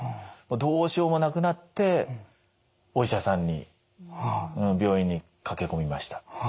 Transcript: どうしようもなくなってお医者さんに病院に駆け込みました。